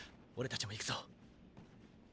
俺たちも行くぞ。